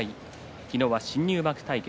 昨日は新入幕対決